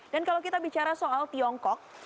dan kalau kita bicara soal tiongkok